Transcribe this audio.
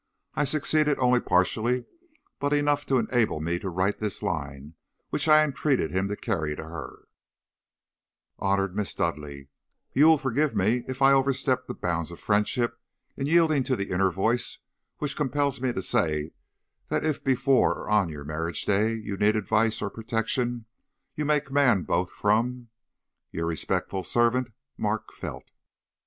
I succeeded only partially, but enough to enable me to write this line, which I entreated him to carry to her: 'HONORED MISS DUDLEIGH You will forgive me if I overstep the bounds of friendship in yielding to the inner voice which compels me to say that if before or on your marriage day you need advice or protection, you may command both from Your respectful servant, 'MARK FELT.'